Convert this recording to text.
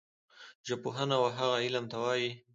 ژبپوهنه وهغه علم ته وايي